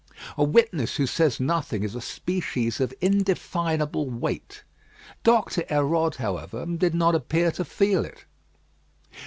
A witness who says nothing is a species of indefinable weight. Doctor Hérode, however, did not appear to feel it.